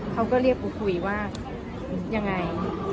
เขาก็เรียกปูคุยว่ายังไง